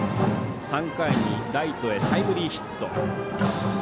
３回にライトへタイムリーヒット。